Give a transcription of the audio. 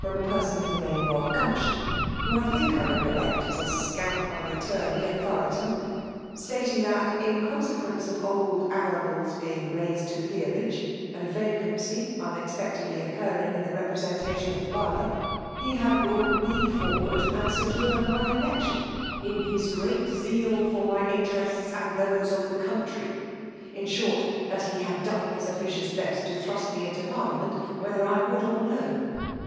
a.peT8on of the name of Gumption, (whom I thiak I recollect as a scamp of an attorney! at Thoroton,) stating that, in consequence of old Arajt>le'a being raised to the peerage, and a vacancy unexpectedly occurring in the re^ presentation of the boroughj he had brought me finrwaid and secured my election, 'in his great zeal for my interests, and those of the fl#untiy ;' in short, that he had don# his (ifl)qjoaa best to thrust me into Parliament^ wheAfft I yfovld or no.